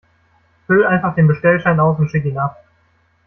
Füll einfach den Bestellschein aus und schick ihn ab.